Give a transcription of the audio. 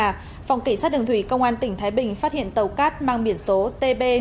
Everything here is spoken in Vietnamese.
phòng kỳ sát đường thủy công an tỉnh thái bình phát hiện tàu cát mang biển số tb một nghìn hai trăm ba mươi